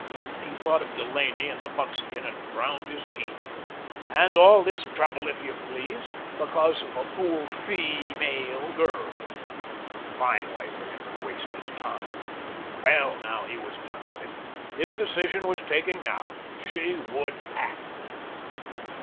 He thought of Delaney and the buckskin and ground his teeth. And all this trouble, if you please, because of a fool feemale girl. A fine way for him to waste his time. Well, now he was done with it. His decision was taken now. She should pack.